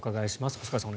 細川さん